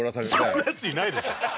そんなやついないでしょ